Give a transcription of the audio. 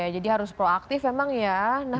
jadi harus proaktif emang ya